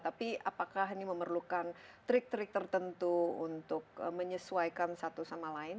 tapi apakah ini memerlukan trik trik tertentu untuk menyesuaikan satu sama lain